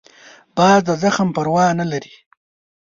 باز د زخم پروا نه لري